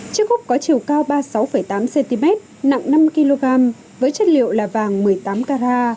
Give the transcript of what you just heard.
chiếc cúp có chiều cao ba mươi sáu tám cm nặng năm kg với chất liệu là vàng một mươi tám k bảy mươi năm